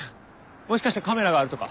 もしかしてカメラがあるとか？